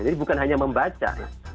jadi bukan hanya membaca